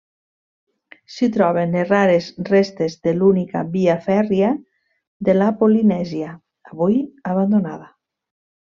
S'hi troben les rares restes de l'única via fèrria de la Polinèsia, avui abandonada.